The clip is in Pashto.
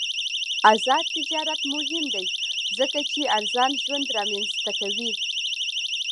آزاد تجارت مهم دی ځکه چې ارزان ژوند رامنځته کوي.